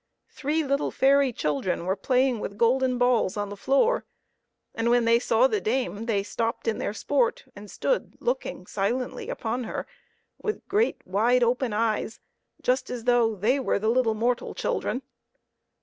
Three little fairy children were playing with golden balls on the floor, and when they saw the dame they stopped in their sport and stood looking silently upon her with great, wide opened eyes, just as though they were little mortal children.